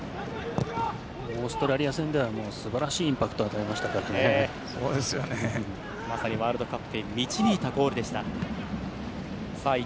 オーストラリア戦では素晴らしいインパクトをまさにワールドカップへ導いたゴールでした。